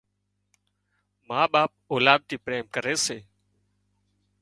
ما ٻاپ اولاد ٿي پريم ڪري سي